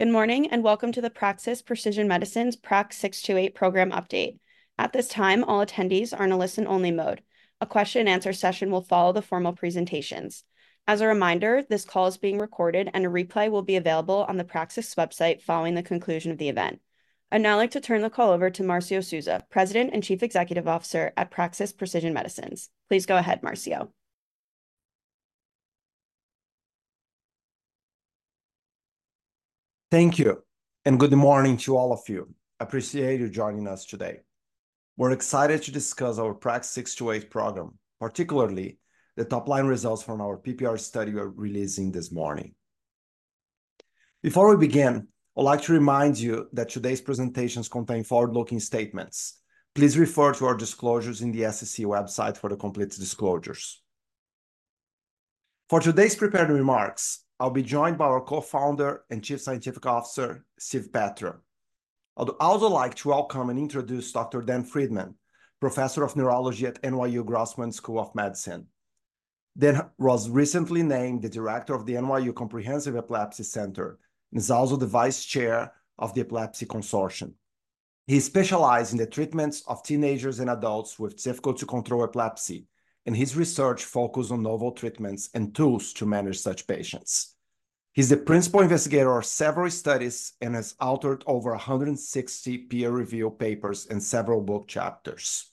Good morning, and welcome to the Praxis Precision Medicines PRX-628 program update. At this time, all attendees are in a listen-only mode. A question-and-answer session will follow the formal presentations. As a reminder, this call is being recorded, and a replay will be available on the Praxis website following the conclusion of the event. I'd now like to turn the call over to Marcio Souza, President and Chief Executive Officer at Praxis Precision Medicines. Please go ahead, Marcio. Thank you, and good morning to all of you. Appreciate you joining us today. We're excited to discuss our PRAX-628 program, particularly the top-line results from our PPR study we're releasing this morning. Before we begin, I'd like to remind you that today's presentations contain forward-looking statements. Please refer to our disclosures in the SEC website for the complete disclosures. For today's prepared remarks, I'll be joined by our co-founder and Chief Scientific Officer, Steve Petrou. I'd also like to welcome and introduce Dr. Dan Friedman, Professor of Neurology at NYU Grossman School of Medicine. Dan was recently named the Director of the NYU Comprehensive Epilepsy Center and is also the Vice Chair of the Epilepsy Study Consortium. He specialize in the treatments of teenagers and adults with difficult-to-control epilepsy, and his research focus on novel treatments and tools to manage such patients. He's the principal investigator of several studies and has authored over 160 peer-reviewed papers and several book chapters.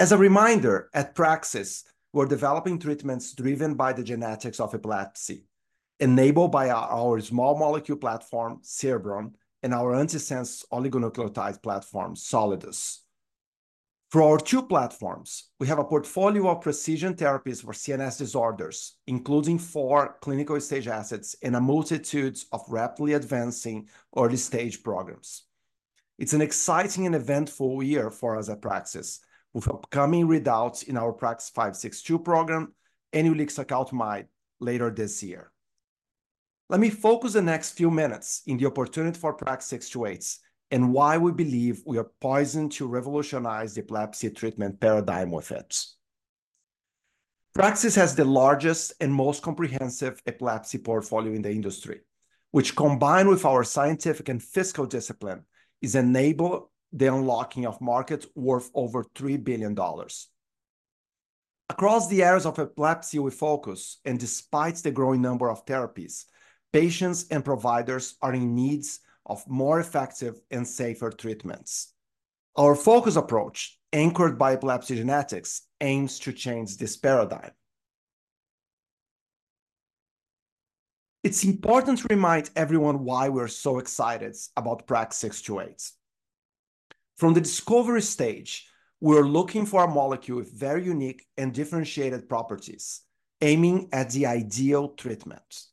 As a reminder, at Praxis, we're developing treatments driven by the genetics of epilepsy, enabled by our small molecule platform, Cerebrum, and our antisense oligonucleotide platform, Solidus. For our two platforms, we have a portfolio of precision therapies for CNS disorders, including four clinical stage assets and a multitude of rapidly advancing early stage programs. It's an exciting and eventful year for us at Praxis, with upcoming readouts in our PRAX-562 program and ulixacaltamide later this year. Let me focus the next few minutes in the opportunity for PRAX-628 and why we believe we are poised to revolutionize the epilepsy treatment paradigm with it. Praxis has the largest and most comprehensive epilepsy portfolio in the industry, which, combined with our scientific and fiscal discipline, is enable the unlocking of markets worth over $3 billion. Across the areas of epilepsy we focus, and despite the growing number of therapies, patients and providers are in needs of more effective and safer treatments. Our focus approach, anchored by epilepsy genetics, aims to change this paradigm. It's important to remind everyone why we're so excited about PRAX-628. From the discovery stage, we're looking for a molecule with very unique and differentiated properties, aiming at the ideal treatment.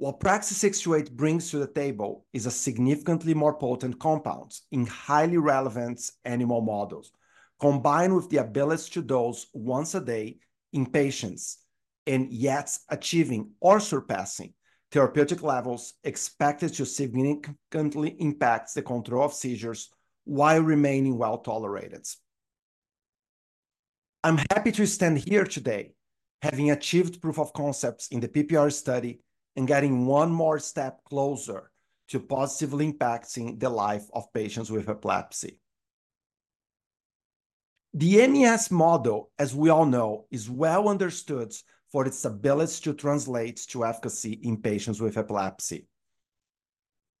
What PRAX-628 brings to the table is a significantly more potent compound in highly relevant animal models, combined with the ability to dose once a day in patients, and yet achieving or surpassing therapeutic levels expected to significantly impact the control of seizures while remaining well-tolerated. I'm happy to stand here today, having achieved proof of concepts in the PPR study and getting one more step closer to positively impacting the life of patients with epilepsy. The MES model, as we all know, is well understood for its ability to translate to efficacy in patients with epilepsy.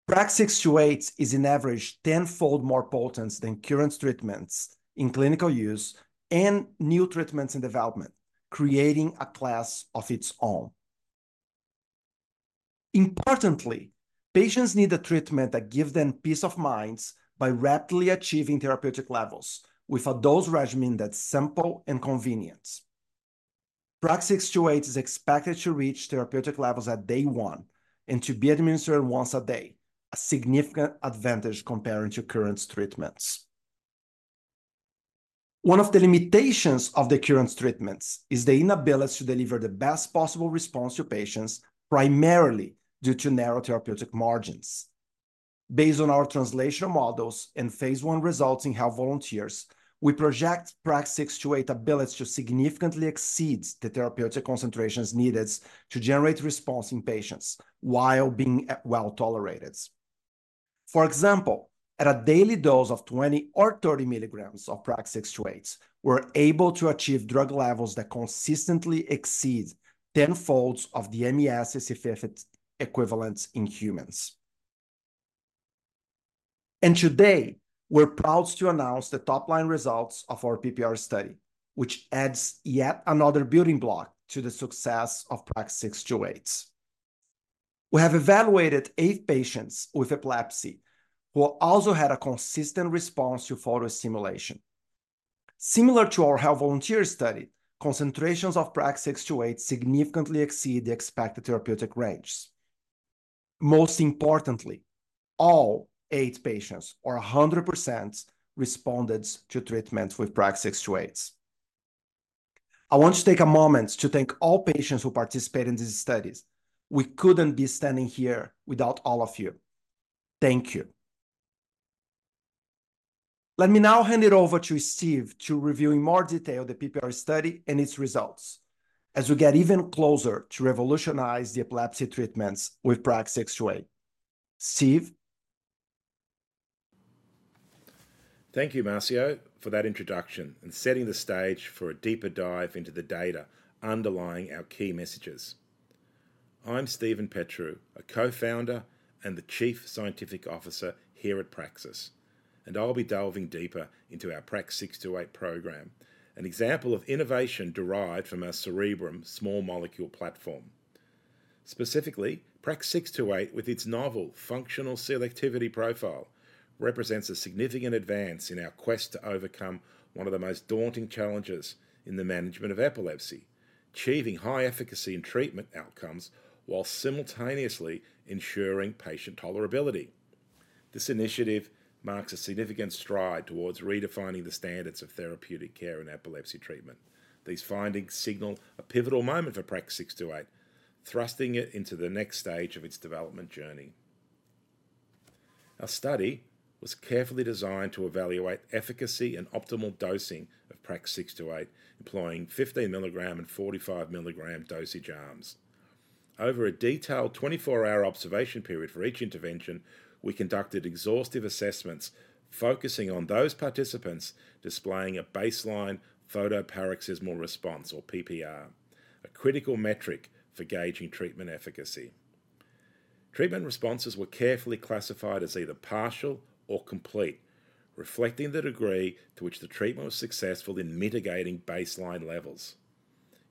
PRAX-628 is, in average, tenfold more potent than current treatments in clinical use and new treatments in development, creating a class of its own. Importantly, patients need a treatment that gives them peace of mind by rapidly achieving therapeutic levels with a dose regimen that's simple and convenient. PRAX-628 is expected to reach therapeutic levels at day one and to be administered once a day, a significant advantage compared to current treatments. One of the limitations of the current treatments is the inability to deliver the best possible response to patients, primarily due to narrow therapeutic margins. Based on our translational models and phase I results in healthy volunteers, we project PRX-628 ability to significantly exceed the therapeutic concentrations needed to generate response in patients while being well-tolerated. For example, at a daily dose of 20 mg or 30 mg of PRAX-628, we're able to achieve drug levels that consistently exceed tenfold of the MES's effect equivalence in humans. Today, we're proud to announce the top-line results of our PPR study, which adds yet another building block to the success of PRAX-628. We have evaluated eight patients with epilepsy who also had a consistent response to photic stimulation. Similar to our healthy volunteer study, concentrations of PRAX-628 significantly exceed the expected therapeutic range. Most importantly, all eight patients, or 100%, responded to treatment with PRAX-628. I want to take a moment to thank all patients who participated in these studies. We couldn't be standing here without all of you. Thank you. Let me now hand it over to Steve to review in more detail the PPR study and its results, as we get even closer to revolutionize the epilepsy treatments with PRAX-628. Steve? Thank you, Marcio, for that introduction and setting the stage for a deeper dive into the data underlying our key messages. I'm Steven Petrou, a co-founder and the Chief Scientific Officer here at Praxis, and I'll be delving deeper into our PRAX-628 program, an example of innovation derived from our Cerebrum small molecule platform. Specifically, PRX-628, with its novel functional selectivity profile, represents a significant advance in our quest to overcome one of the most daunting challenges in the management of epilepsy: achieving high efficacy in treatment outcomes while simultaneously ensuring patient tolerability. This initiative marks a significant stride towards redefining the standards of therapeutic care in epilepsy treatment. These findings signal a pivotal moment for PRAX-628, thrusting it into the next stage of its development journey. Our study was carefully designed to evaluate efficacy and optimal dosing of PRAX-628, employing 15 mg and 45 mg dosage arms. Over a detailed 24-hour observation period for each intervention, we conducted exhaustive assessments, focusing on those participants displaying a baseline photoparoxysmal response, or PPR, a critical metric for gauging treatment efficacy. Treatment responses were carefully classified as either partial or complete, reflecting the degree to which the treatment was successful in mitigating baseline levels.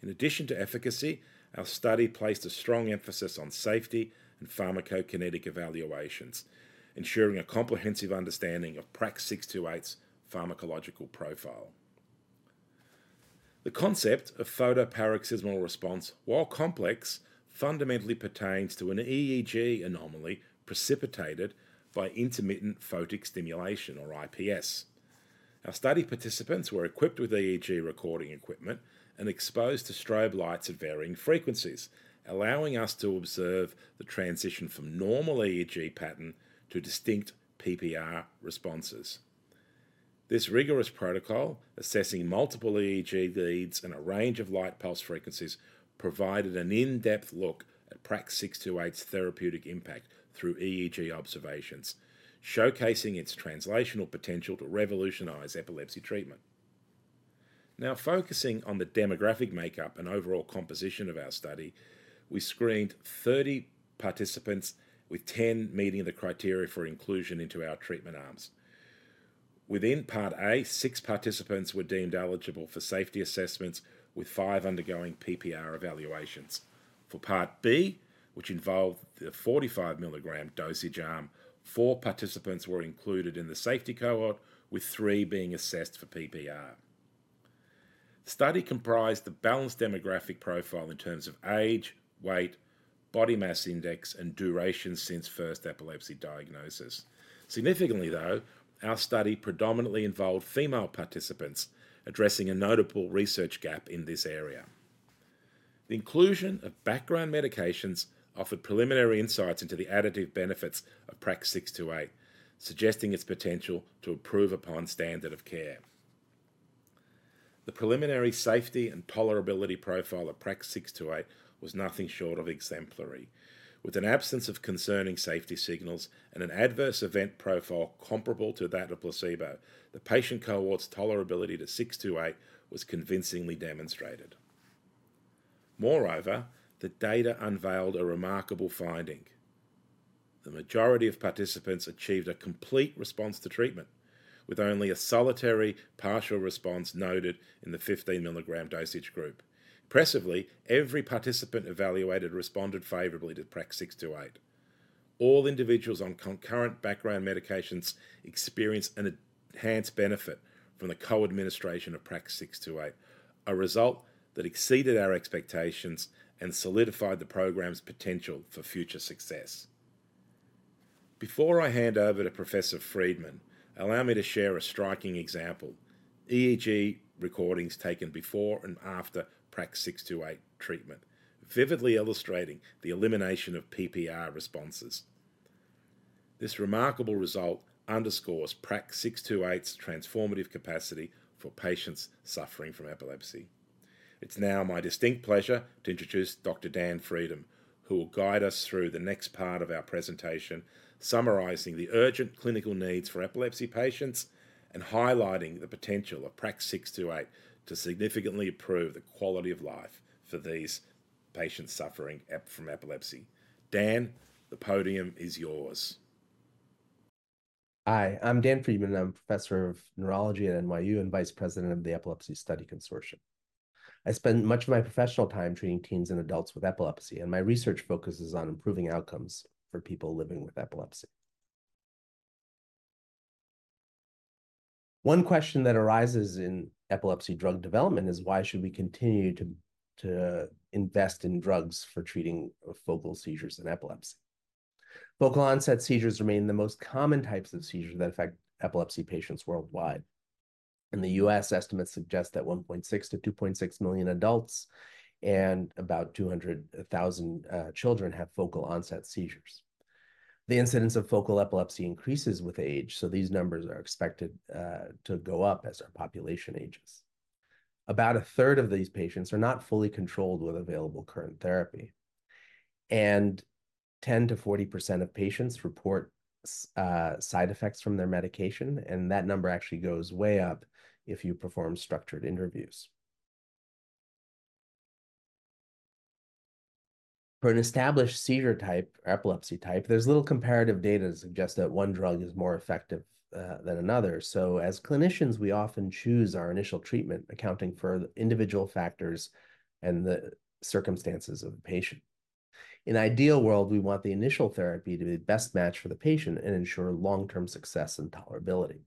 In addition to efficacy, our study placed a strong emphasis on safety and pharmacokinetic evaluations, ensuring a comprehensive understanding of PRAX-628's pharmacological profile. The concept of photoparoxysmal response, while complex, fundamentally pertains to an EEG anomaly precipitated by intermittent photic stimulation, or IPS. Our study participants were equipped with EEG recording equipment and exposed to strobe lights at varying frequencies, allowing us to observe the transition from normal EEG pattern to distinct PPR responses. This rigorous protocol, assessing multiple EEG leads and a range of light pulse frequencies, provided an in-depth look at PRAX-628's therapeutic impact through EEG observations, showcasing its translational potential to revolutionize epilepsy treatment. Now, focusing on the demographic makeup and overall composition of our study, we screened 30 participants, with 10 meeting the criteria for inclusion into our treatment arms. Within Part A, six participants were deemed eligible for safety assessments, with five undergoing PPR evaluations. For Part B, which involved the 45 mg dosage arm, four participants were included in the safety cohort, with three being assessed for PPR. The study comprised a balanced demographic profile in terms of age, weight, body mass index, and duration since first epilepsy diagnosis. Significantly, though, our study predominantly involved female participants, addressing a notable research gap in this area. The inclusion of background medications offered preliminary insights into the additive benefits of PRAX-628, suggesting its potential to improve upon standard of care. The preliminary safety and tolerability profile of PRAX-628 was nothing short of exemplary. With an absence of concerning safety signals and an adverse event profile comparable to that of placebo, the patient cohort's tolerability to 628 was convincingly demonstrated. Moreover, the data unveiled a remarkable finding: the majority of participants achieved a complete response to treatment, with only a solitary partial response noted in the 15 mg dosage group. Impressively, every participant evaluated responded favorably to PRAX-628. All individuals on concurrent background medications experienced an enhanced benefit from the co-administration of PRAX-628, a result that exceeded our expectations and solidified the program's potential for future success. Before I hand over to Professor Friedman, allow me to share a striking example, EEG recordings taken before and after PRAX-628 treatment, vividly illustrating the elimination of PPR responses. This remarkable result underscores PRAX-628's transformative capacity for patients suffering from epilepsy. It's now my distinct pleasure to introduce Dr. Dan Friedman, who will guide us through the next part of our presentation, summarizing the urgent clinical needs for epilepsy patients and highlighting the potential of PRAX-628 to significantly improve the quality of life for these patients suffering from epilepsy. Dan, the podium is yours. Hi, I'm Daniel Friedman. I'm a professor of neurology at NYU and vice president of the Epilepsy Study Consortium. I spend much of my professional time treating teens and adults with epilepsy, and my research focuses on improving outcomes for people living with epilepsy. One question that arises in epilepsy drug development is: why should we continue to invest in drugs for treating focal seizures and epilepsy? Focal onset seizures remain the most common types of seizures that affect epilepsy patients worldwide.... In the U.S., estimates suggest that 1.6-2.6 million adults and about 200,000 children have focal onset seizures. The incidence of focal epilepsy increases with age, so these numbers are expected to go up as our population ages. About a third of these patients are not fully controlled with available current therapy, and 10%-40% of patients report side effects from their medication, and that number actually goes way up if you perform structured interviews. For an established seizure type or epilepsy type, there's little comparative data to suggest that one drug is more effective than another. So as clinicians, we often choose our initial treatment, accounting for individual factors and the circumstances of the patient. In an ideal world, we want the initial therapy to be the best match for the patient and ensure long-term success and tolerability.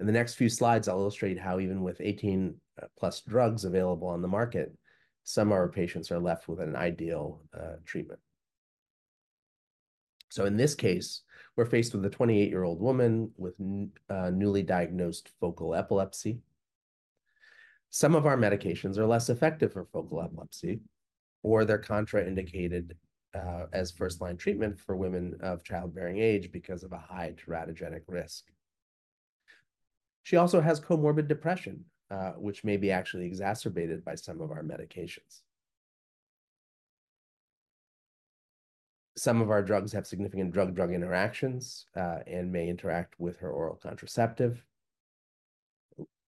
In the next few slides, I'll illustrate how, even with 18+ drugs available on the market, some of our patients are left with an ideal treatment. So in this case, we're faced with a 28-year-old woman with newly diagnosed focal epilepsy. Some of our medications are less effective for focal epilepsy, or they're contraindicated as first-line treatment for women of childbearing age because of a high teratogenic risk. She also has comorbid depression, which may be actually exacerbated by some of our medications. Some of our drugs have significant drug-drug interactions and may interact with her oral contraceptive,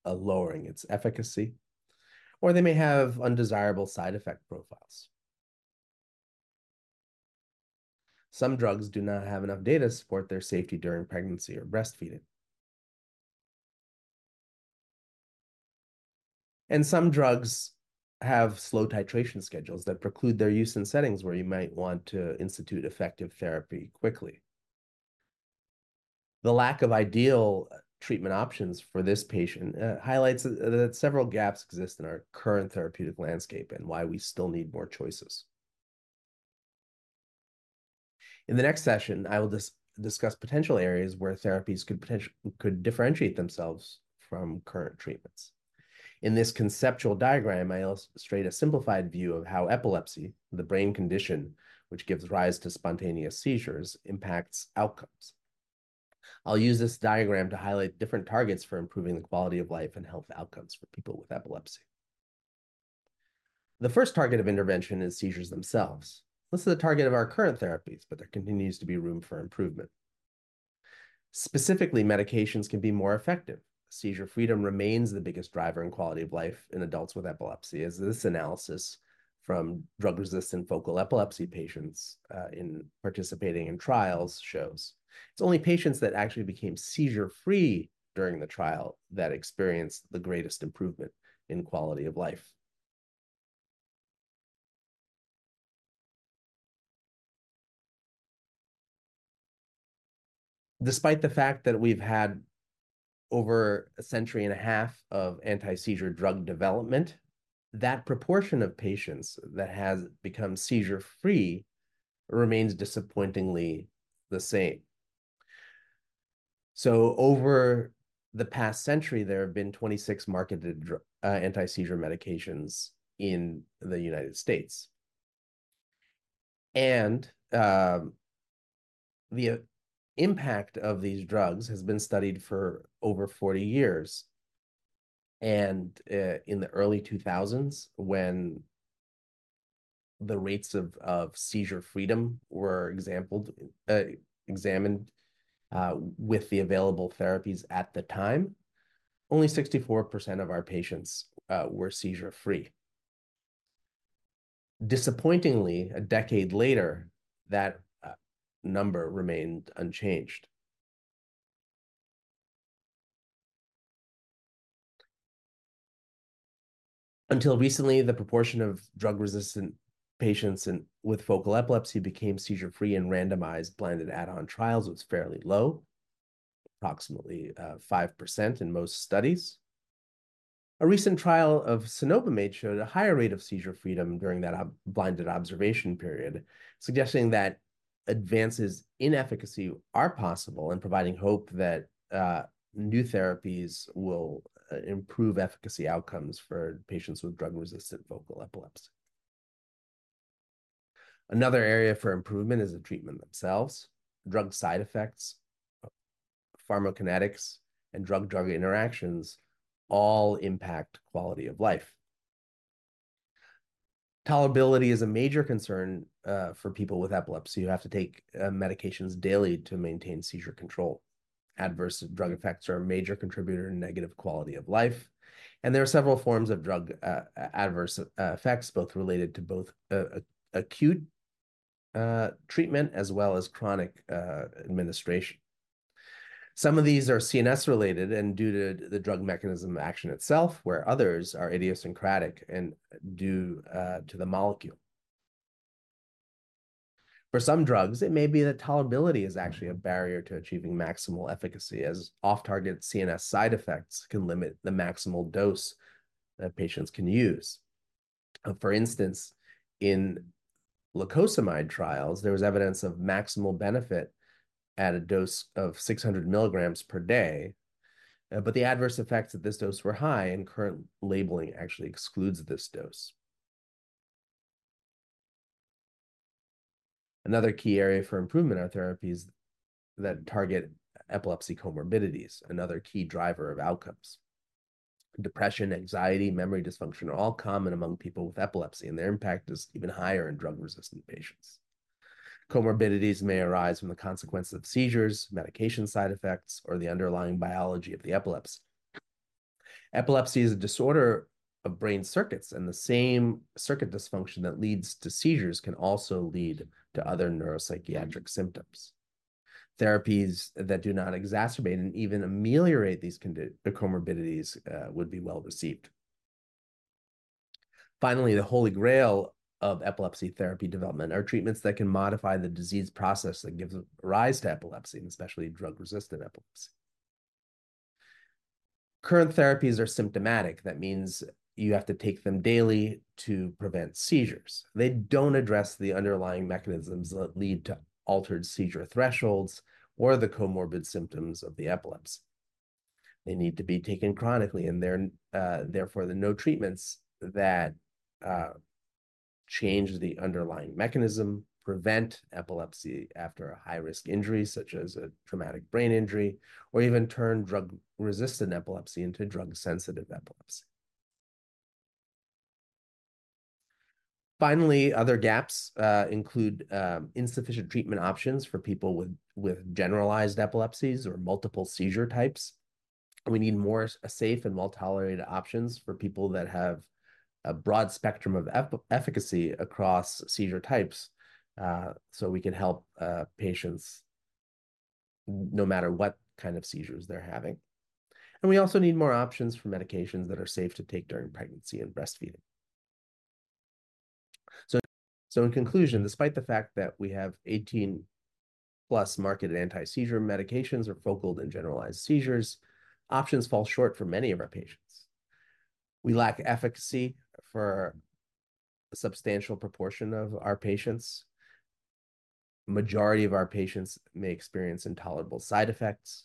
lowering its efficacy, or they may have undesirable side effect profiles. Some drugs do not have enough data to support their safety during pregnancy or breastfeeding. And some drugs have slow titration schedules that preclude their use in settings where you might want to institute effective therapy quickly. The lack of ideal treatment options for this patient highlights that several gaps exist in our current therapeutic landscape and why we still need more choices. In the next session, I will discuss potential areas where therapies could differentiate themselves from current treatments. In this conceptual diagram, I illustrate a simplified view of how epilepsy, the brain condition, which gives rise to spontaneous seizures, impacts outcomes. I'll use this diagram to highlight different targets for improving the quality of life and health outcomes for people with epilepsy. The first target of intervention is seizures themselves. This is the target of our current therapies, but there continues to be room for improvement. Specifically, medications can be more effective. Seizure freedom remains the biggest driver in quality of life in adults with epilepsy, as this analysis from drug-resistant focal epilepsy patients participating in trials shows. It's only patients that actually became seizure-free during the trial that experienced the greatest improvement in quality of life. Despite the fact that we've had over a century and a half of anti-seizure drug development, that proportion of patients that has become seizure-free remains disappointingly the same. So over the past century, there have been 26 marketed anti-seizure medications in the United States, and the impact of these drugs has been studied for over 40 years. And in the early 2000s, when the rates of seizure freedom were examined with the available therapies at the time, only 64% of our patients were seizure free. Disappointingly, a decade later, that number remained unchanged. Until recently, the proportion of drug-resistant patients with focal epilepsy became seizure-free in randomized, blinded, add-on trials was fairly low, approximately 5% in most studies. A recent trial of cenobamate showed a higher rate of seizure freedom during that double-blinded observation period, suggesting that advances in efficacy are possible and providing hope that new therapies will improve efficacy outcomes for patients with drug-resistant focal epilepsy. Another area for improvement is the treatments themselves. Drug side effects, pharmacokinetics, and drug-drug interactions all impact quality of life. Tolerability is a major concern for people with epilepsy, who have to take medications daily to maintain seizure control. Adverse drug effects are a major contributor to negative quality of life, and there are several forms of drug adverse effects, both related to acute treatment as well as chronic administration. Some of these are CNS related and due to the drug mechanism action itself, where others are idiosyncratic and due to the molecule. For some drugs, it may be that tolerability is actually a barrier to achieving maximal efficacy, as off-target CNS side effects can limit the maximal dose that patients can use. For instance, in lacosamide trials, there was evidence of maximal benefit at a dose of 600 mg per day, but the adverse effects at this dose were high, and current labeling actually excludes this dose. Another key area for improvement are therapies that target epilepsy comorbidities, another key driver of outcomes. Depression, anxiety, memory dysfunction are all common among people with epilepsy, and their impact is even higher in drug-resistant patients. Comorbidities may arise from the consequences of seizures, medication side effects, or the underlying biology of the epilepsy. Epilepsy is a disorder of brain circuits, and the same circuit dysfunction that leads to seizures can also lead to other neuropsychiatric symptoms. Therapies that do not exacerbate and even ameliorate these comorbidities would be well-received. Finally, the holy grail of epilepsy therapy development are treatments that can modify the disease process that gives rise to epilepsy, and especially drug-resistant epilepsy. Current therapies are symptomatic. That means you have to take them daily to prevent seizures. They don't address the underlying mechanisms that lead to altered seizure thresholds or the comorbid symptoms of the epilepsy. They need to be taken chronically, and they're therefore, there are no treatments that change the underlying mechanism, prevent epilepsy after a high-risk injury, such as a traumatic brain injury, or even turn drug-resistant epilepsy into drug-sensitive epilepsy. Finally, other gaps include insufficient treatment options for people with generalized epilepsies or multiple seizure types. We need more safe and well-tolerated options for people that have a broad spectrum of efficacy across seizure types, so we can help patients no matter what kind of seizures they're having. And we also need more options for medications that are safe to take during pregnancy and breastfeeding. So in conclusion, despite the fact that we have 18+ marketed anti-seizure medications for focal and generalized seizures, options fall short for many of our patients. We lack efficacy for a substantial proportion of our patients. Majority of our patients may experience intolerable side effects.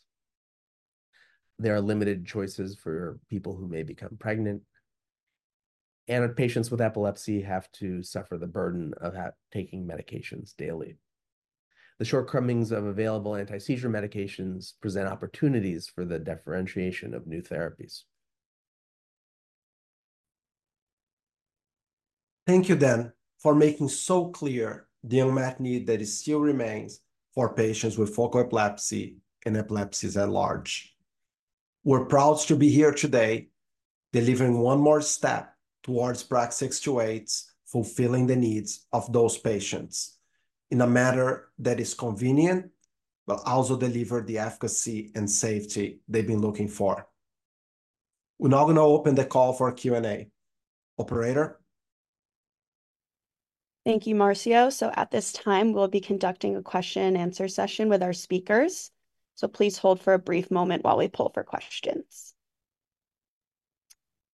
There are limited choices for people who may become pregnant. Patients with epilepsy have to suffer the burden of taking medications daily. The shortcomings of available anti-seizure medications present opportunities for the differentiation of new therapies. Thank you, Dan, for making so clear the unmet need that still remains for patients with focal epilepsy and epilepsies at large. We're proud to be here today, delivering one more step towards PRAX-628's fulfilling the needs of those patients in a manner that is convenient, but also deliver the efficacy and safety they've been looking for. We're now going to open the call for Q&A. Operator? Thank you, Marcio. So at this time, we'll be conducting a question and answer session with our speakers, so please hold for a brief moment while we poll for questions.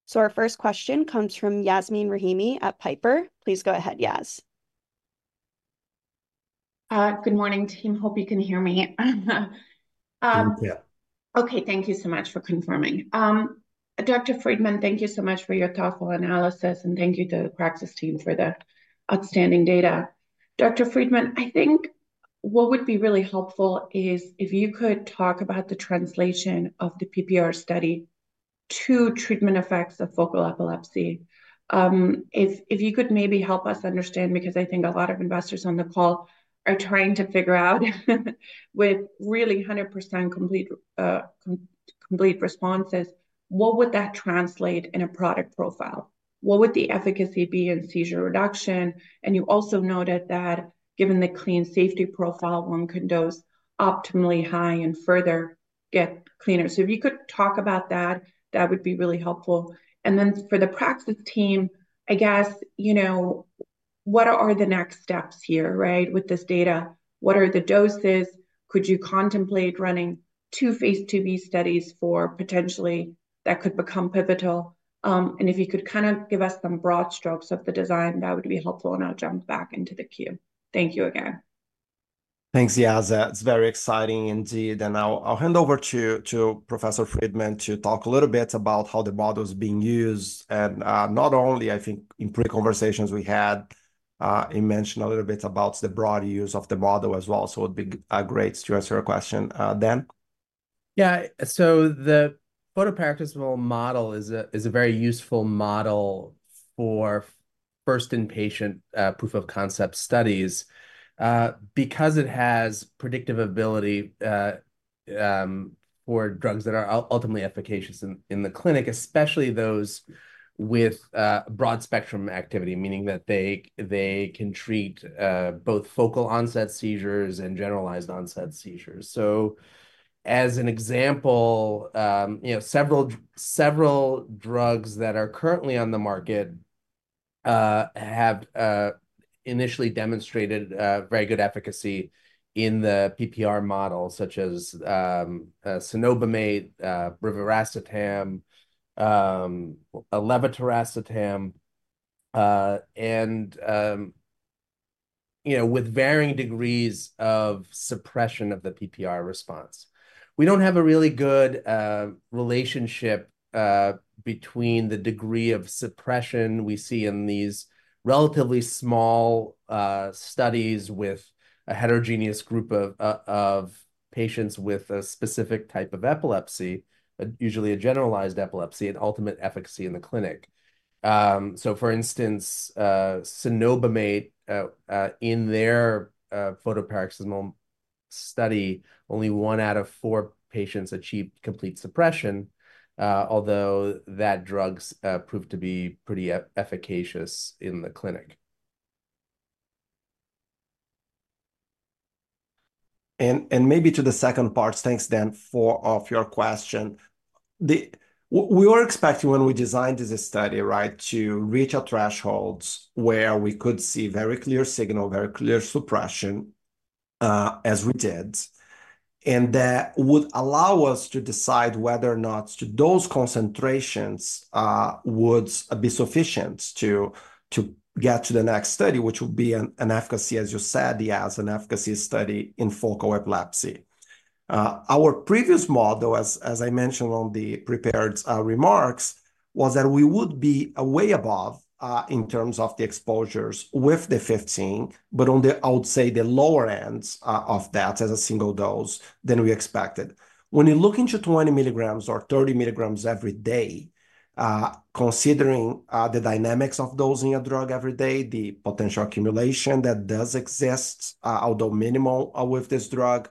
So our first question comes from Yasmeen Rahimi at Piper. Please go ahead, Yas. Good morning, team. Hope you can hear me. Yeah. Okay, thank you so much for confirming. Dr. Friedman, thank you so much for your thoughtful analysis, and thank you to the Praxis team for the outstanding data. Dr. Friedman, I think what would be really helpful is if you could talk about the translation of the PPR study to treatment effects of focal epilepsy. If you could maybe help us understand, because I think a lot of investors on the call are trying to figure out, with really 100% complete responses, what would that translate in a product profile? What would the efficacy be in seizure reduction? And you also noted that given the clean safety profile, one could dose optimally high and further get cleaner. So if you could talk about that, that would be really helpful. Then for the Praxis team, I guess, you know, what are the next steps here, right, with this data? What are the doses? Could you contemplate running two phase II-b studies for potentially that could become pivotal? And if you could kind of give us some broad strokes of the design, that would be helpful, and I'll jump back into the queue. Thank you again. Thanks, Yas. That's very exciting indeed. And I'll hand over to Professor Friedman to talk a little bit about how the model's being used. And, not only, I think, in pre conversations we had, he mentioned a little bit about the broad use of the model as well. So it'd be great to answer your question, Dan. Yeah, so the photoparoxysmal model is a very useful model for first-in-patient proof-of-concept studies because it has predictive ability for drugs that are ultimately efficacious in the clinic, especially those with broad-spectrum activity, meaning that they can treat both focal-onset seizures and generalized-onset seizures. So as an example, you know, several drugs that are currently on the market have initially demonstrated very good efficacy in the PPR model, such as cenobamate, brivaracetam, levetiracetam, and you know, with varying degrees of suppression of the PPR response. We don't have a really good relationship between the degree of suppression we see in these relatively small studies with a heterogeneous group of patients with a specific type of epilepsy, but usually a generalized epilepsy and ultimate efficacy in the clinic. So for instance, cenobamate in their photoparoxysmal study, only one out of four patients achieved complete suppression, although that drug's proved to be pretty efficacious in the clinic. And maybe to the second part, thanks, Dan, for your question. We were expecting when we designed this study, right? To reach thresholds where we could see very clear signal, very clear suppression, as we did, and that would allow us to decide whether or not those concentrations would be sufficient to get to the next study, which would be an efficacy, as you said, yes, an efficacy study in focal epilepsy. Our previous model, as I mentioned on the prepared remarks, was that we would be way above in terms of the exposures with the 15, but on the, I would say, the lower ends of that as a single dose than we expected. When you look into 20 mg or 30 mg every day, considering the dynamics of dosing a drug every day, the potential accumulation that does exist, although minimal, with this drug,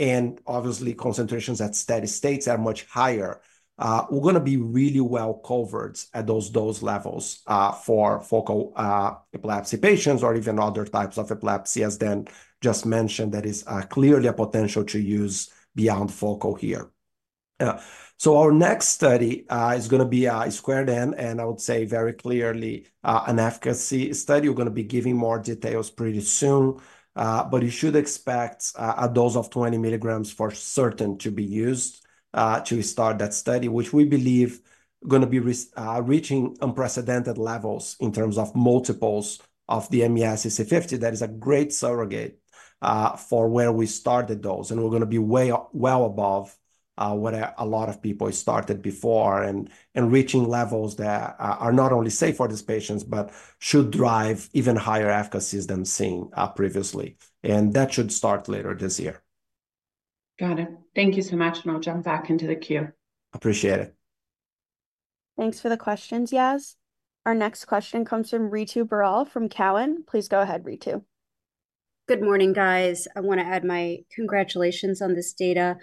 and obviously, concentrations at steady states are much higher, we're gonna be really well covered at those dose levels for focal epilepsy patients or even other types of epilepsy, as Dan just mentioned, that is clearly a potential to use beyond focal here. So our next study is gonna be squared in, and I would say very clearly an efficacy study. We're gonna be giving more details pretty soon, but you should expect a dose of 20 mg for certain to be used to start that study, which we believe gonna be reaching unprecedented levels in terms of multiples of the MES EC50. That is a great surrogate for where we started those, and we're gonna be well above what a lot of people started before and reaching levels that are not only safe for these patients, but should drive even higher efficacy than seen previously, and that should start later this year. Got it. Thank you so much, and I'll jump back into the queue. Appreciate it. Thanks for the questions, Yas. Our next question comes from Ritu Baral from TD Cowen. Please go ahead, Ritu. Good morning, guys. I want to add my congratulations on this data.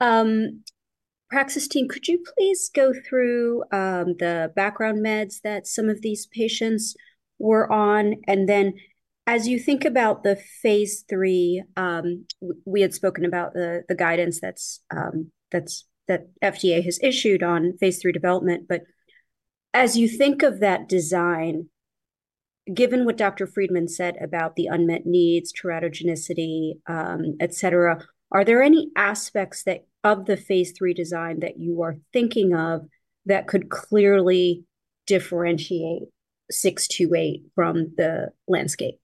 Praxis team, could you please go through the background meds that some of these patients were on? And then, as you think about the phase III, we had spoken about the guidance that FDA has issued on phase III development, but as you think of that design, given what Dr. Friedman said about the unmet needs, teratogenicity, et cetera, are there any aspects of the phase III design that you are thinking of that could clearly differentiate six two eight from the landscape?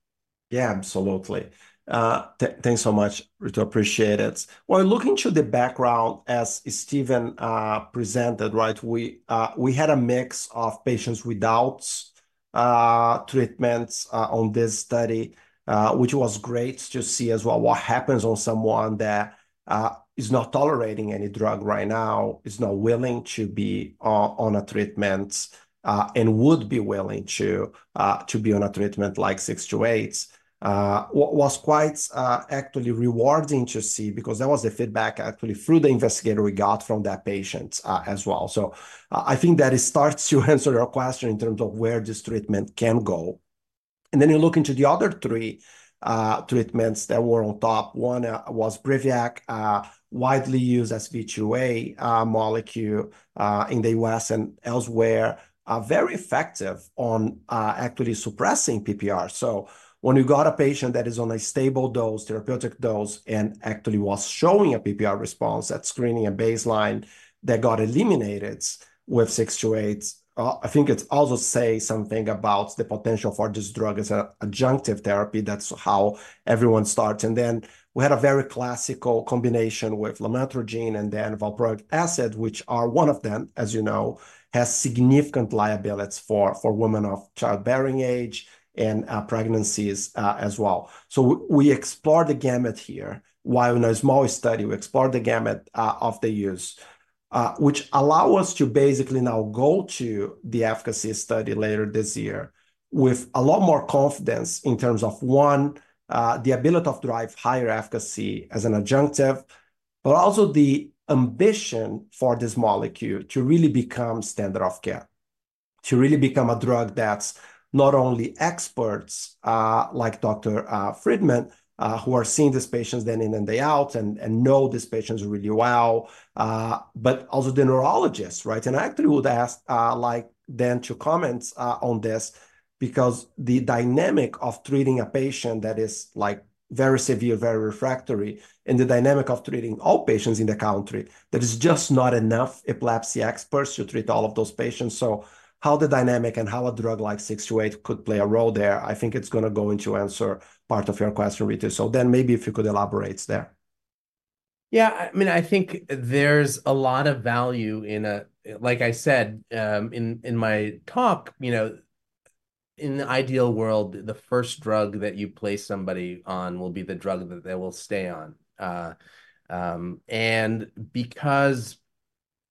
Yeah, absolutely. Thanks so much, Ritu. Appreciate it. Well, looking to the background as Steven presented, right? We had a mix of patients without treatments on this study, which was great to see as well. What happens on someone that is not tolerating any drug right now, is not willing to be on a treatment, and would be willing to be on a treatment like 628, was quite actually rewarding to see because that was the feedback actually through the investigator we got from that patient, as well. So, I think that it starts to answer your question in terms of where this treatment can go. And then you look into the other three treatments that were on top. One was Briviact, widely used as VPA molecule in the U.S. and elsewhere, are very effective on actually suppressing PPR. So when you got a patient that is on a stable dose, therapeutic dose, and actually was showing a PPR response at screening a baseline that got eliminated with PRAX-628, I think it's also say something about the potential for this drug as an adjunctive therapy. That's how everyone starts. And then we had a very classical combination with lamotrigine and then valproic acid, which are one of them, as you know, has significant liabilities for, for women of childbearing age and pregnancies, as well. So we explored the gamut here. While in a small study, we explored the gamut of the use, which allow us to basically now go to the efficacy study later this year with a lot more confidence in terms of, one, the ability to drive higher efficacy as an adjunctive, but also the ambition for this molecule to really become standard of care... to really become a drug that's not only experts like Dr. Friedman who are seeing these patients day in and day out, and know these patients really well, but also the neurologists, right? And I actually would ask like Dan to comment on this, because the dynamic of treating a patient that is like very severe, very refractory, and the dynamic of treating all patients in the country, there is just not enough epilepsy experts to treat all of those patients. So, how the dynamic and how a drug like PRAX-628 could play a role there, I think it's gonna go into answer part of your question, Ritu. So, Dan, maybe if you could elaborate there. Yeah, I mean, I think there's a lot of value in—like I said, in my talk, you know, in the ideal world, the first drug that you place somebody on will be the drug that they will stay on. And because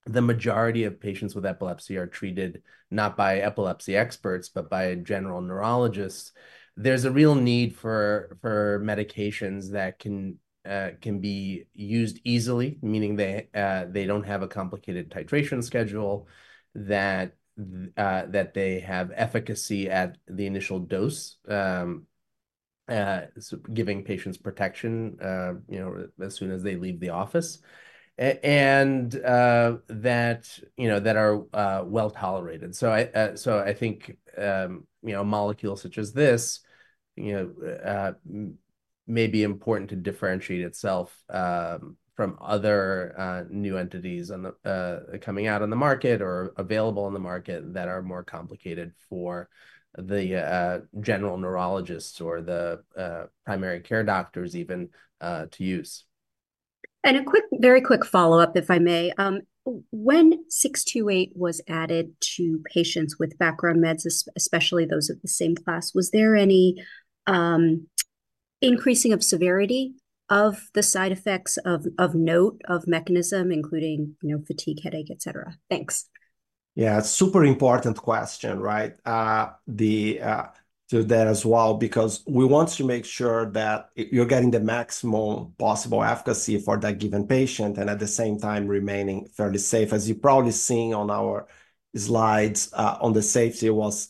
the majority of patients with epilepsy are treated not by epilepsy experts, but by general neurologists, there's a real need for medications that can be used easily, meaning they don't have a complicated titration schedule, that they have efficacy at the initial dose, so giving patients protection, you know, as soon as they leave the office, and that are well-tolerated. So I think, you know, molecules such as this, you know, may be important to differentiate itself from other new entities on the coming out on the market or available on the market that are more complicated for the general neurologists or the primary care doctors even to use. A quick, very quick follow-up, if I may. When PRAX-628 was added to patients with background meds, especially those of the same class, was there any increasing of severity of the side effects of note, of mechanism, including, you know, fatigue, headache, et cetera? Thanks. Yeah, super important question, right? To that as well, because we want to make sure that you're getting the maximum possible efficacy for that given patient, and at the same time, remaining fairly safe. As you've probably seen on our slides, on the safety was.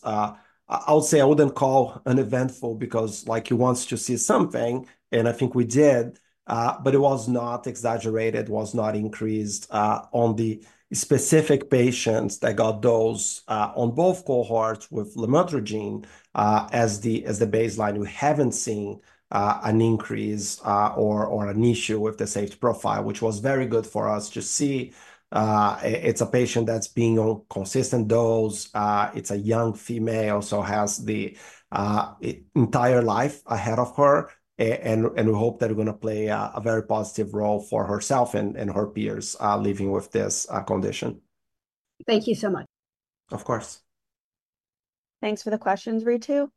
I'll say I wouldn't call uneventful, because, like, you want to see something, and I think we did, but it was not exaggerated, was not increased, on the specific patients that got those, on both cohorts with lamotrigine. As the baseline, we haven't seen, an increase, or an issue with the safety profile, which was very good for us to see. It's a patient that's being on consistent dose. It's a young female, so has the entire life ahead of her, and we hope that we're gonna play a very positive role for herself and her peers living with this condition. Thank you so much. Of course. Thanks for the questions, Ritu.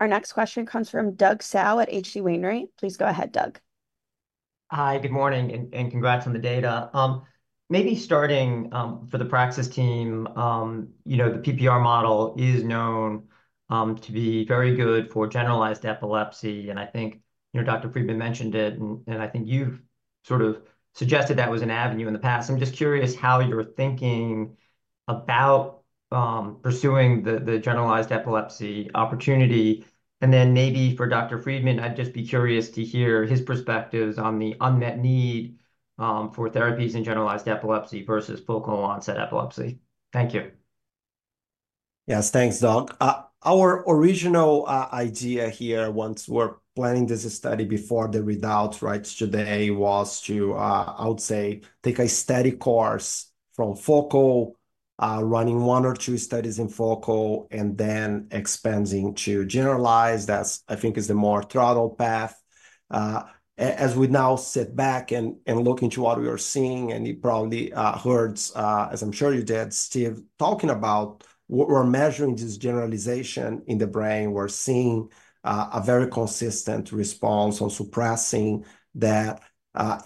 Our next question comes from Doug Tsao at H.C. Wainwright. Please go ahead, Doug. Hi, good morning, and congrats on the data. Maybe starting for the Praxis team, you know, the PPR model is known to be very good for generalized epilepsy, and I think, you know, Dr. Friedman mentioned it, and I think you've sort of suggested that was an avenue in the past. I'm just curious how you're thinking about pursuing the generalized epilepsy opportunity. And then maybe for Dr. Friedman, I'd just be curious to hear his perspectives on the unmet need for therapies in generalized epilepsy versus focal onset epilepsy. Thank you. Yes, thanks, Doug. Our original idea here, once we're planning this study before the results, right, today, was to, I would say, take a steady course from focal, running one or two studies in focal, and then expanding to generalized. That, I think, is the more throttled path. As we now sit back and look into what we are seeing, and you probably heard, as I'm sure you did, Steve, talking about we're measuring this generalization in the brain. We're seeing a very consistent response on suppressing that.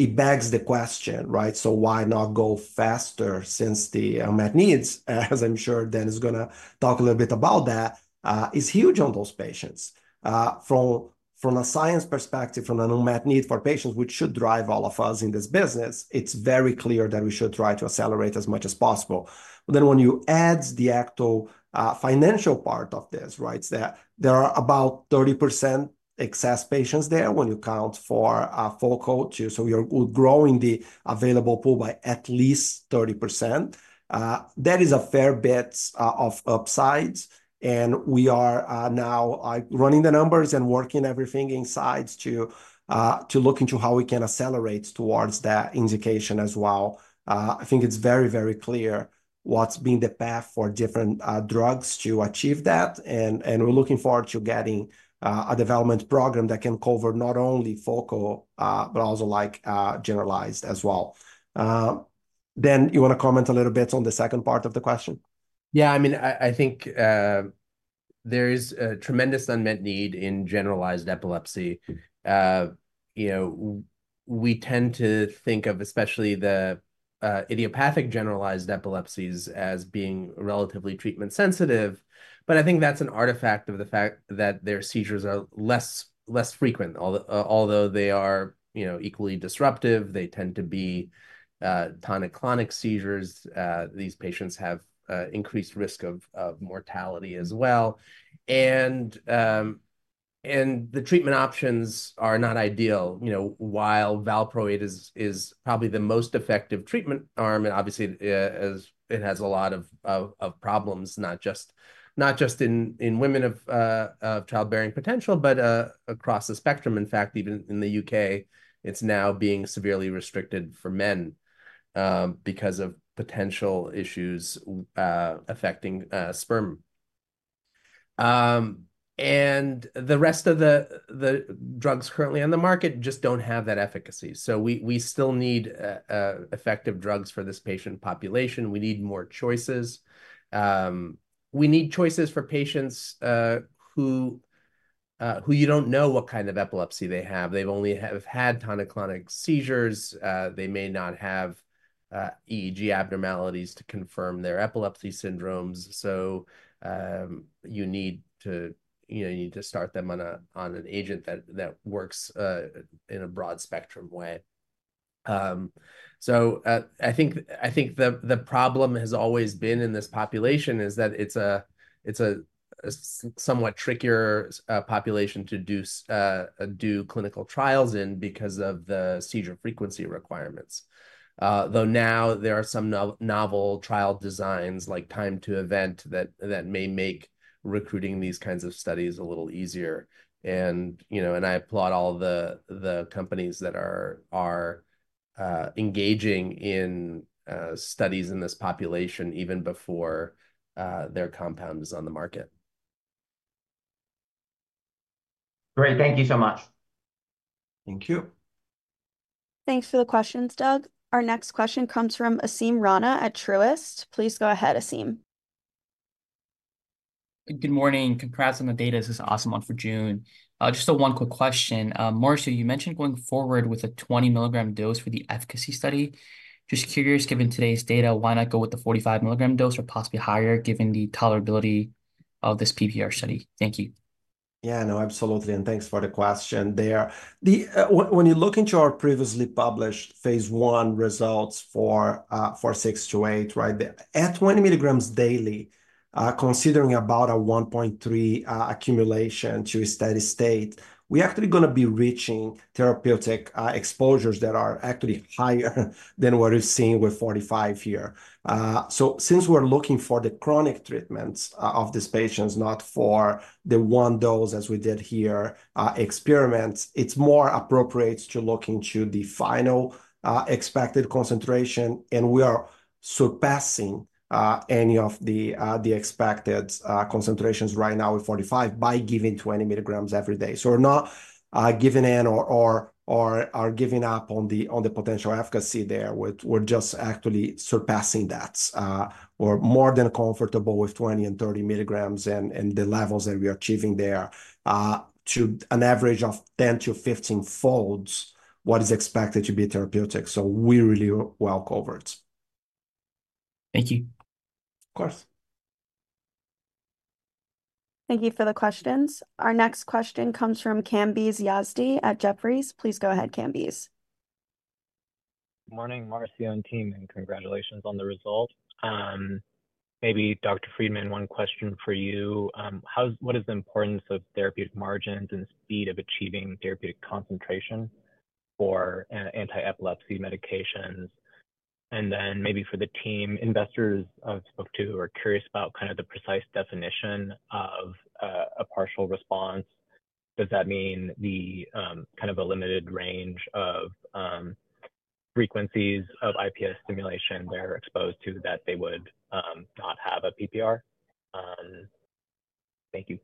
It begs the question, right? So why not go faster since the unmet needs, as I'm sure Dan is gonna talk a little bit about that, is huge on those patients. From a science perspective, from an unmet need for patients, which should drive all of us in this business, it's very clear that we should try to accelerate as much as possible. But then when you add the actual financial part of this, right? There are about 30% excess patients there when you account for focal, too. So you're growing the available pool by at least 30%. That is a fair bit of upsides, and we are now running the numbers and working everything inside to look into how we can accelerate towards that indication as well. I think it's very, very clear what's been the path for different drugs to achieve that, and we're looking forward to getting a development program that can cover not only focal, but also, like, generalized as well. Dan, you want to comment a little bit on the second part of the question? Yeah, I mean, I think there is a tremendous unmet need in generalized epilepsy. You know, we tend to think of, especially the, idiopathic generalized epilepsies as being relatively treatment sensitive.... But I think that's an artifact of the fact that their seizures are less frequent. Although they are, you know, equally disruptive, they tend to be tonic-clonic seizures. These patients have increased risk of mortality as well. And the treatment options are not ideal. You know, while valproate is probably the most effective treatment arm, and obviously, it has a lot of problems, not just in women of childbearing potential, but across the spectrum. In fact, even in the U.K., it's now being severely restricted for men, because of potential issues affecting sperm. And the rest of the drugs currently on the market just don't have that efficacy. So we still need effective drugs for this patient population. We need more choices. We need choices for patients who you don't know what kind of epilepsy they have. They've only have had tonic-clonic seizures. They may not have EEG abnormalities to confirm their epilepsy syndromes, so you need to, you know, you need to start them on an agent that works in a broad-spectrum way. So, I think the problem has always been in this population is that it's a somewhat trickier population to do clinical trials in because of the seizure frequency requirements. Though now there are some novel trial designs, like time to event, that may make recruiting these kinds of studies a little easier. You know, I applaud all the companies that are engaging in studies in this population, even before their compound is on the market. Great. Thank you so much. Thank you. Thanks for the questions, Doug. Our next question comes from Asim Rana at Truist. Please go ahead, Asim. Good morning. Congrats on the data. This is Asim on for Joon. Just one quick question. Marcio, you mentioned going forward with a 20 mg dose for the efficacy study. Just curious, given today's data, why not go with the 45 mg dose or possibly higher, given the tolerability of this PPR study? Thank you. Yeah, no, absolutely, and thanks for the question there. The, when, when you look into our previously published phase I results for PRAX-628, right? At 20 mg daily, considering about a 1.3 accumulation to a steady state, we're actually gonna be reaching therapeutic exposures that are actually higher than what we've seen with 45 mg here. So since we're looking for the chronic treatments of these patients, not for the one dose, as we did here experiments, it's more appropriate to look into the final expected concentration, and we are surpassing any of the expected concentrations right now with 45 mg by giving 20 mg every day. So we're not giving in or giving up on the potential efficacy there. We're just actually surpassing that. We're more than comfortable with 20 mg and 30 mg, and the levels that we are achieving there to an average of 10 to 15-fold what is expected to be therapeutic. So we're really well covered. Thank you. Of course. Thank you for the questions. Our next question comes from Kambiz Yazdi at Jefferies. Please go ahead, Kambiz. Good morning, Marcio and team, and congratulations on the result. Maybe, Dr. Friedman, one question for you. What is the importance of therapeutic margins and speed of achieving therapeutic concentration for an anti-epilepsy medications? And then maybe for the team, investors I've spoke to, who are curious about kind of the precise definition of a partial response. Does that mean the kind of a limited range of frequencies of IPS stimulation they're exposed to, that they would not have a PPR? Thank you.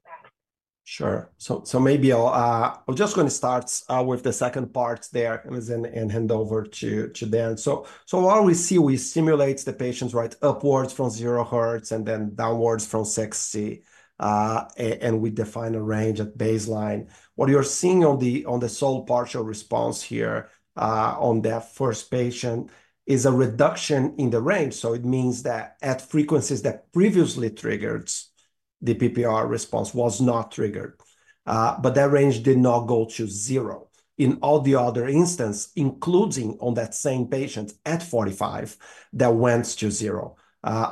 Sure. So maybe I'll just going to start with the second part there, and then hand over to Dan. So what we see, we simulate the patients, right, upwards from 0 hertz and then downwards from 60, and we define a range at baseline. What you're seeing on the sole partial response here on that first patient is a reduction in the range. So it means that at frequencies that previously triggered, the PPR response was not triggered. But that range did not go to zero. In all the other instance, including on that same patient at 45, that went to zero.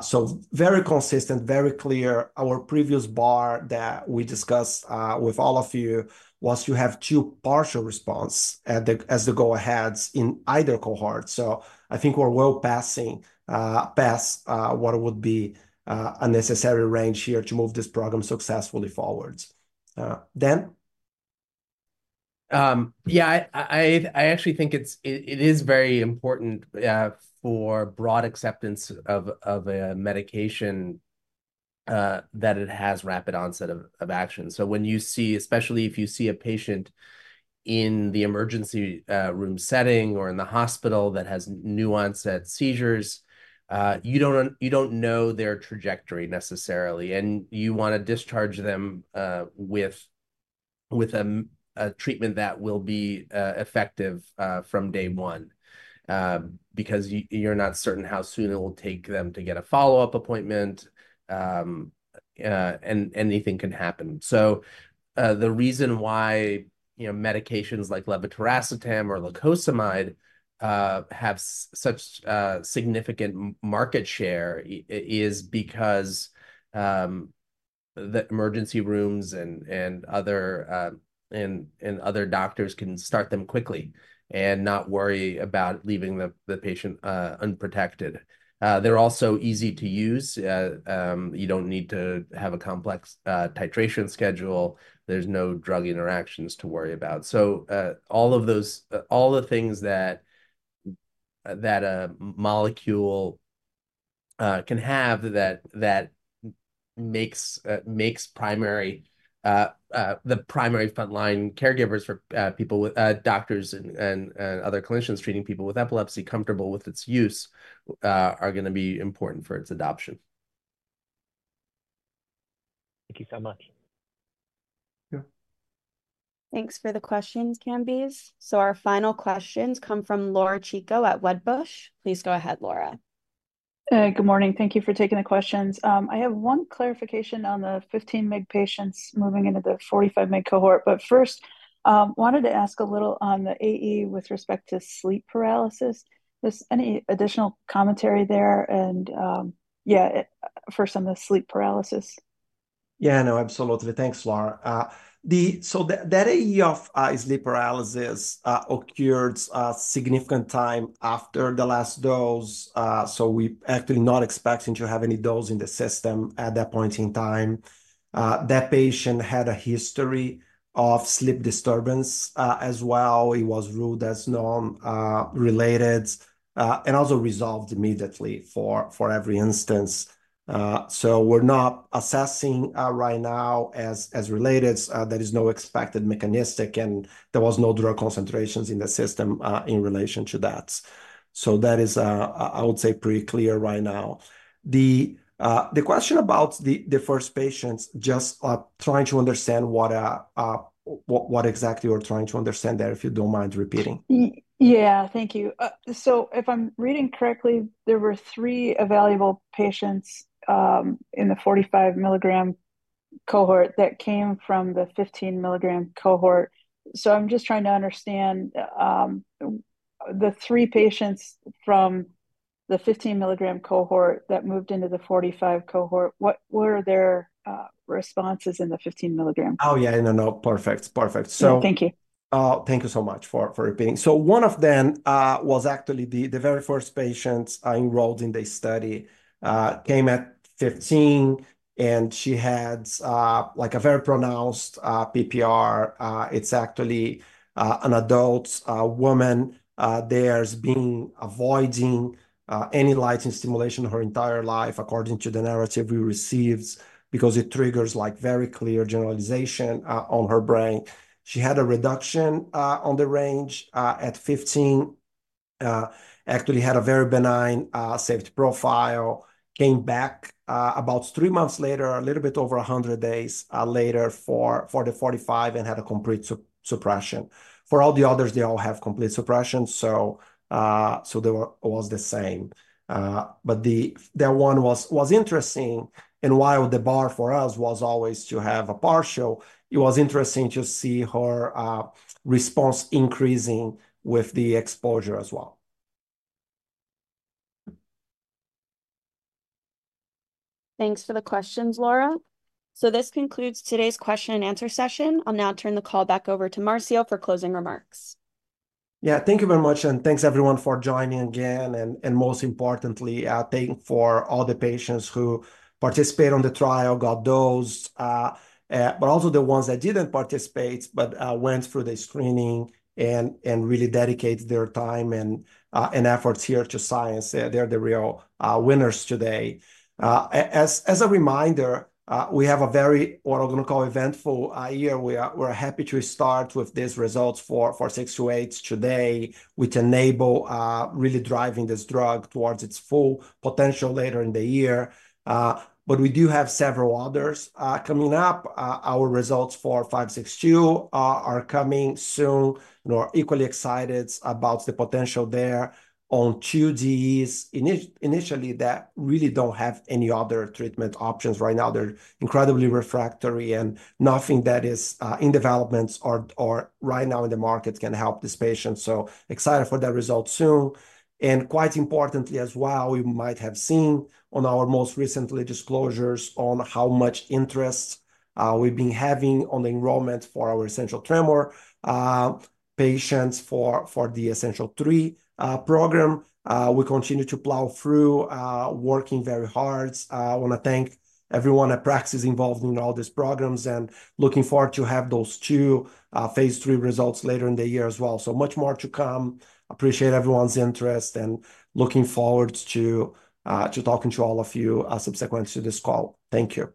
So very consistent, very clear. Our previous bar that we discussed with all of you, once you have two partial response at the as the go-aheads in either cohort. So I think we're well past what would be a necessary range here to move this program successfully forward. Dan? Yeah, I actually think it is very important for broad acceptance of a medication that it has rapid onset of action. So when you see, especially if you see a patient in the emergency room setting or in the hospital that has new-onset seizures, you don't know their trajectory necessarily, and you want to discharge them with a treatment that will be effective from day one. Because you're not certain how soon it will take them to get a follow-up appointment, and anything can happen. So, the reason why, you know, medications like levetiracetam or lacosamide have such significant market share is because the emergency rooms and other doctors can start them quickly, and not worry about leaving the patient unprotected. They're also easy to use. You don't need to have a complex titration schedule. There's no drug interactions to worry about. So, all of those things that a molecule can have that makes the primary frontline caregivers for people with epilepsy, doctors and other clinicians treating people with epilepsy, comfortable with its use are gonna be important for its adoption. Thank you so much. Yeah. Thanks for the questions, Kambiz. Our final questions come from Laura Chico at Wedbush. Please go ahead, Laura. Good morning. Thank you for taking the questions. I have one clarification on the 15 mg patients moving into the 45 mg cohort. But first, wanted to ask a little on the AE with respect to sleep paralysis. There's any additional commentary there, and for some of the sleep paralysis? Yeah, no, absolutely. Thanks, Laura. So that AE of sleep paralysis occurred a significant time after the last dose. So we're actually not expecting to have any dose in the system at that point in time. That patient had a history of sleep disturbance as well. It was ruled as non-related and also resolved immediately for every instance. So we're not assessing right now as related. There is no expected mechanistic, and there was no drug concentrations in the system in relation to that. So that is, I would say, pretty clear right now. The question about the first patients, just trying to understand what exactly you are trying to understand there, if you don't mind repeating? Yeah. Thank you. So if I'm reading correctly, there were three evaluable patients in the 45 mg cohort that came from the 15 mg cohort. So I'm just trying to understand the three patients from the 15 mg cohort that moved into the 45 cohort, what were their responses in the 15 mg? Oh, yeah. No, no, perfect. Perfect. So- Thank you. Thank you so much for repeating. So one of them was actually the very first patient enrolled in the study. Came at 15 mg, and she had like a very pronounced PPR. It's actually an adult woman that's been avoiding any light and stimulation her entire life, according to the narrative we received, because it triggers like very clear generalization on her brain. She had a reduction on the range at 15 mg. Actually had a very benign safety profile. Came back about three months later, a little bit over 100 days later for the 45 mg and had a complete suppression. For all the others, they all have complete suppression, so they were the same. But that one was interesting, and while the bar for us was always to have a partial, it was interesting to see her response increasing with the exposure as well. Thanks for the questions, Laura. So this concludes today's question and answer session. I'll now turn the call back over to Marcio for closing remarks. Yeah, thank you very much, and thanks, everyone, for joining again. Most importantly, thank you for all the patients who participated on the trial, got dosed, but also the ones that didn't participate, but went through the screening and really dedicated their time and efforts here to science. They're the real winners today. As a reminder, we have a very, what I'm gonna call, eventful year. We're happy to start with these results for PRAX-628 today, which enable really driving this drug towards its full potential later in the year. But we do have several others coming up. Our results for PRAX-562 are coming soon. We're equally excited about the potential there. On two DEs, initially, that really don't have any other treatment options right now. They're incredibly refractory, and nothing that is in development or right now in the market can help this patient. So excited for that result soon. Quite importantly as well, you might have seen on our most recent disclosures on how much interest we've been having on the enrollment for our Essential Tremor patients for the Essential3 program. We continue to plow through, working very hard. I wanna thank everyone at Praxis involved in all these programs, and looking forward to have those two phase III results later in the year as well. So much more to come. Appreciate everyone's interest, and looking forward to talking to all of you subsequent to this call. Thank you.